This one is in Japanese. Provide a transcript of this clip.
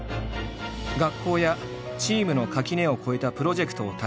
学校やチームの垣根を越えたプロジェクトを立ち上げ